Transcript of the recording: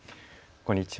こんにちは。